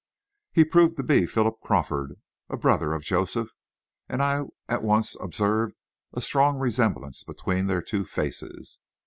He proved to be Philip Crawford, a brother of Joseph, and I at once observed a strong resemblance between their two faces.